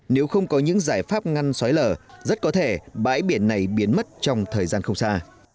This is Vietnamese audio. nếu không có những giải pháp ngăn xói lở rất có thể bãi biển này biến mất trong thời gian không xa